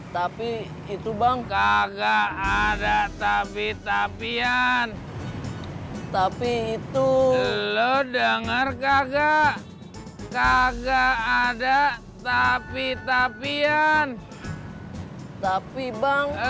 tapi itu bang kakak ada tapi tapian tapi itu lo denger kakak ada tapi tapian tapi bang